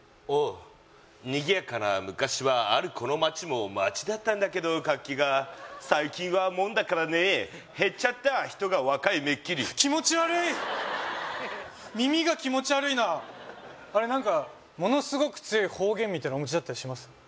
ああにぎやかな昔はあるこの町も町だったんだけど活気が最近はもんだからね減っちゃった人が若いめっきり気持ち悪い耳が気持ち悪いなものすごく強い方言みたいなのお持ちだったりします？